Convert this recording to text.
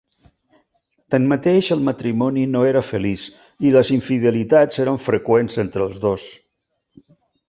Tanmateix el matrimoni no era feliç i les infidelitats eren freqüents entre els dos.